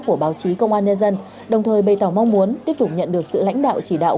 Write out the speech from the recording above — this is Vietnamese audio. của báo chí công an nhân dân đồng thời bày tỏ mong muốn tiếp tục nhận được sự lãnh đạo chỉ đạo